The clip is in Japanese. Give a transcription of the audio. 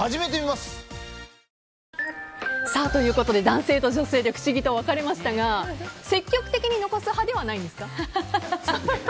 男性と女性で不思議と分かれましたが積極的に残す派ではないんですか。